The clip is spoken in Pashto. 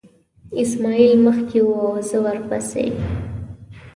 اسماعیل مخکې و او زه ورپسې.